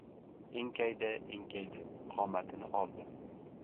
Enkaydi- enkaydi, qomatini oldi.